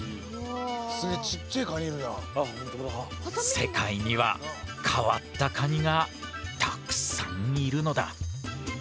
世界には変わったカニがたくさんいるのだ！